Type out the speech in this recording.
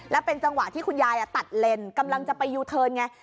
แล้วเป็นจังหวะที่คุณยายตัดเลนกำลังจะไปยูเทิร์นไง